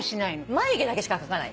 眉毛だけしか描かない。